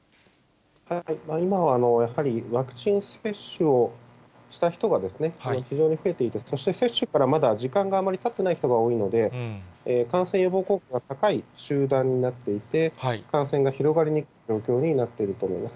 今はワクチン接種をした人が非常に増えている、そして接種からまだ時間があまりたってない人が多いので、感染予防効果が高い集団になっていて、感染が広がりにくい状況になってると思います。